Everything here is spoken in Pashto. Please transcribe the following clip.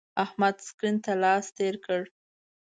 احمد سکرین ته لاس تیر کړ.